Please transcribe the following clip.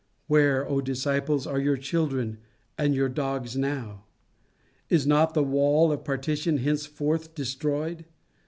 Where, O disciples, are your children and your dogs now? Is not the wall of partition henceforth destroyed?